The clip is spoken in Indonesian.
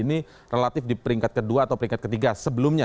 ini relatif di peringkat kedua atau peringkat ketiga sebelumnya